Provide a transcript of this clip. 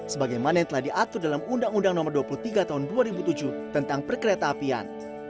sebagaimana yang telah diatur dalam undang undang no dua puluh tiga tahun dua ribu tujuh tentang perkereta apian